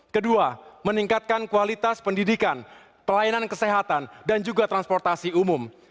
kedua meningkatkan kualitas pendidikan pelayanan kesehatan dan juga transportasi umum